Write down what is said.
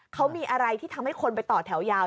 เขามีอะไรที่ทำให้คนไปต่อแถวยาว